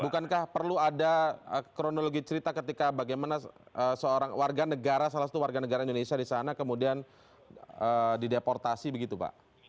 bukankah perlu ada kronologi cerita ketika bagaimana seorang warga negara salah satu warga negara indonesia di sana kemudian dideportasi begitu pak